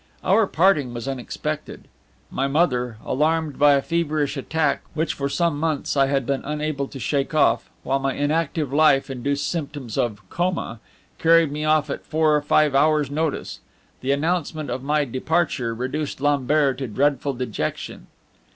Our parting was unexpected. My mother, alarmed by a feverish attack which for some months I had been unable to shake off, while my inactive life induced symptoms of coma, carried me off at four or five hours' notice. The announcement of my departure reduced Lambert to dreadful dejection.